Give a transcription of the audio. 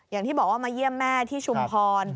อย่างที่บอกว่ามาเยี่ยมแม่ที่ชุมพร